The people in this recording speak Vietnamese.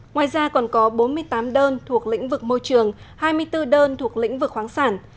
ngoài ra còn có bốn mươi tám đơn thuộc lĩnh vực môi trường hai mươi bốn đơn thuộc lĩnh vực khoáng sản